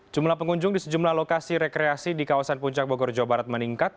jumlah pengunjung di sejumlah lokasi rekreasi di kawasan puncak bogor jawa barat meningkat